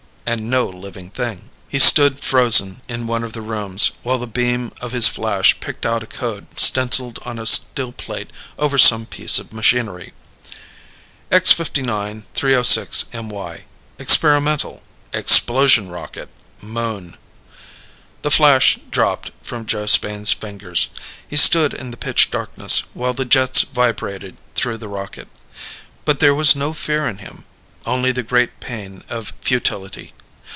And no living thing. He stood frozen in one of the rooms while the beam of his flash picked out a code stenciled on a steel plate over some piece of machinery. X59 306MY Experimental Explosion Rocket Moon. The flash dropped from Joe Spain's fingers. He stood in the pitch darkness while the jets vibrated through the rocket. But there was no fear in him. Only the great pain of futility.